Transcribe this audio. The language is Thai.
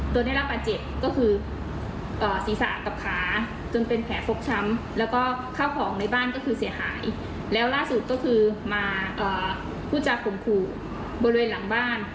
ใช่ค่ะคุยกับคุณกมลพันธ์หน่อยแล้วกันค่ะ